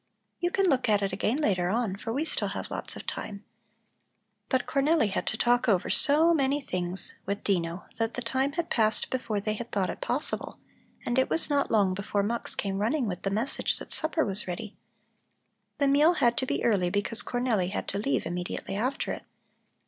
"You can look at it again later on, for we still have lots of time." But Cornelli had to talk over so many things with Dino that the time had passed before they had thought it possible, and it was not long before Mux came running with the message that supper was ready. The meal had to be early because Cornelli had to leave immediately after it.